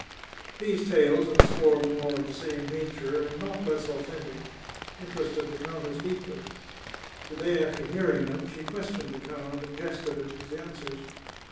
These tales and a score more of the same nature, and not less authentic, interested the countess deeply. The day after hearing them she questioned the count, and jested at his answers.